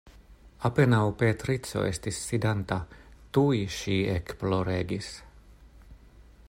Apenaŭ Beatrico estis sidanta, tuj ŝi ekploregis.